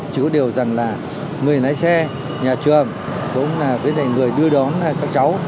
chỉ có điều rằng là người lái xe nhà trường cũng là với người đưa đón các cháu